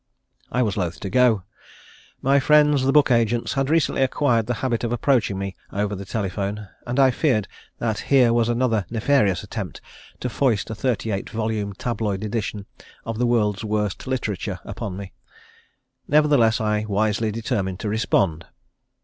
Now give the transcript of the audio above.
I was loath to go. My friends the book agents had recently acquired the habit of approaching me over the telephone, and I feared that here was another nefarious attempt to foist a thirty eight volume tabloid edition of The World's Worst Literature upon me. Nevertheless I wisely determined to respond.